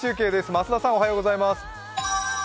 増田さん、おはようございます。